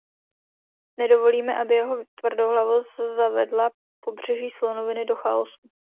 Nedovolíme, aby jeho tvrdohlavost zavedla Pobřeží slonoviny do chaosu.